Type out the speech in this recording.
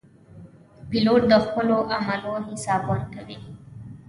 پیلوټ د خپلو عملو حساب ورکوي.